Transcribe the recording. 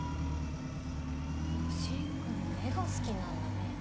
おぉ芯君は絵が好きなんだね。